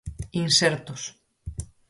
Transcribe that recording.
Insertos.